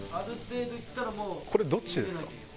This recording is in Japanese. これどっちですか？